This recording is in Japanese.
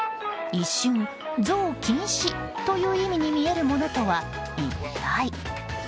一瞬、ゾウ禁止という意味に見えるものとは一体。